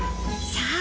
さあ